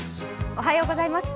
おはようございます。